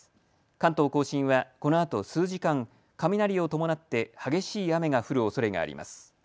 関東甲信はこのあと数時間、雷を伴って激しい雨が降るおそれがあります。